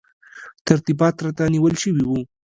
ترتیبات راته نیول شوي وو.